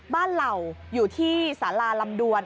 เหล่าอยู่ที่สาราลำดวน